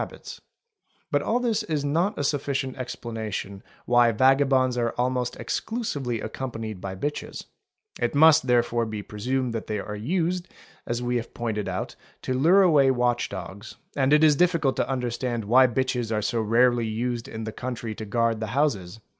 habits; but all this is not a sufficient explanation why vagabonds are _ almost exclusively accompained by bitches; it must therefore be presumed that they are used, as we have pointed out, to lure away watch dogs, and it is difficult to understand why bitches are so rarely used in the country to guard the houses.